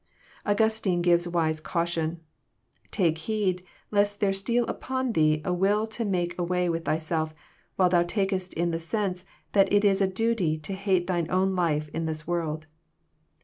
Augustine gives a wise caution :Take heed lest there steal upon thee a will to make away with thyself, while thou takest in the sense that it is a duty to hate thine own life in this world.